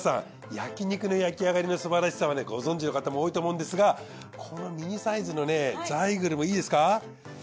焼き肉の焼き上がりのすばらしさはご存じの方も多いと思うんですがこのミニサイズのザイグルもいいですか？